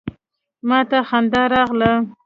ما ته خندا راغله.